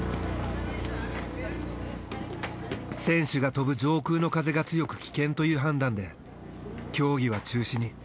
選手が飛ぶ上空の風が強く危険という判断で競技は中止に。